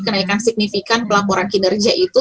kenaikan signifikan pelaporan kinerja itu